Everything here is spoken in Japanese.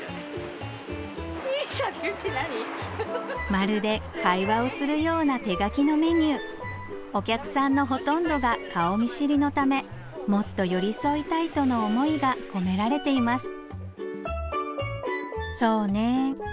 まるで会話をするような手書きのメニューお客さんのほとんどが顔見知りのためもっと寄り添いたいとの思いが込められています